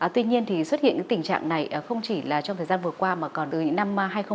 tuy nhiên thì xuất hiện những tình trạng này không chỉ là trong thời gian vừa qua mà còn từ năm hai nghìn một mươi sáu